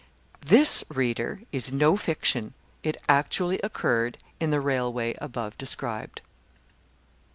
This, reader, is no fiction; it actually occurred in the railway above described.